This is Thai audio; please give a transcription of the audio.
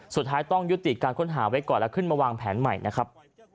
สุดท้ายต้องยุติการค้นหาไว้ก่อนแล้วขึ้นมาวางแผนใหม่นะครับ